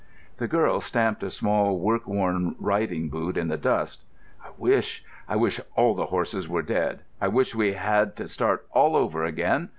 The girl stamped a small work worn riding boot in the dust. "I wish—I wish all the horses were dead! I wish we had to start all over again.